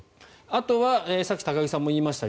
あとはさっき高木さんも言いました